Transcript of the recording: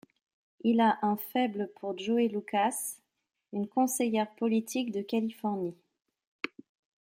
Il a un faible pour Joey Lukas, une conseillère politique de Californie.